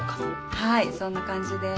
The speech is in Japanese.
はいそんな感じで。